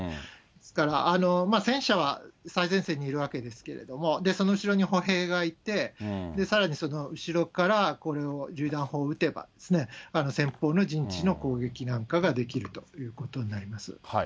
ですから、戦車は最前線にいるわけですけれども、その後ろに歩兵がいて、さらにその後ろからこれを、りゅう弾砲を撃てば、先方の陣地の攻撃なんかができるということになります。